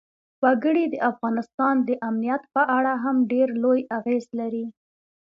وګړي د افغانستان د امنیت په اړه هم ډېر لوی اغېز لري.